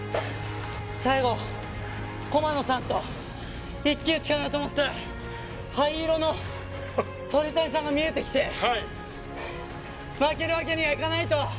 最後、駒野さんと一騎打ちかなと思って灰色の鳥谷さんも見えてきて負けるわけにはいかないと。